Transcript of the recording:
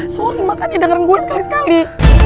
sorry makanya denger gue sekali sekali